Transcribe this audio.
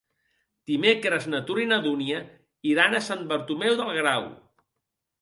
Dimecres na Tura i na Dúnia iran a Sant Bartomeu del Grau.